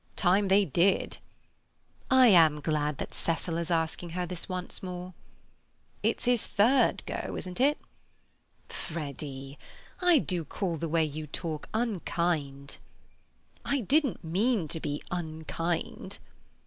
"Time they did." "I am glad that Cecil is asking her this once more." "It's his third go, isn't it?" "Freddy I do call the way you talk unkind." "I didn't mean to be unkind."